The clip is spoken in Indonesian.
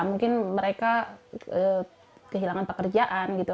mungkin mereka kehilangan pekerjaan gitu